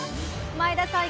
前田さん